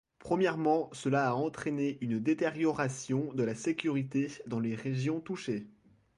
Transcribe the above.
Premièrement, cela a entraîné une détérioration de la sécurité dans les régions touchées.